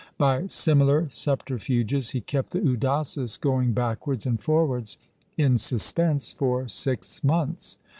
By similar subter fuges he kept the Udasis going backwards and for wards in suspense for six months.